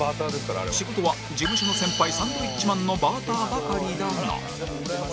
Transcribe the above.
仕事は事務所の先輩サンドウィッチマンのバーターばかりだが